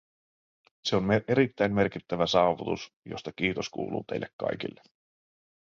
Se on erittäin merkittävä saavutus, josta kiitos kuuluu teille kaikille.